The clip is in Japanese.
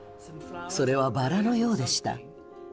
それはバラのようでした。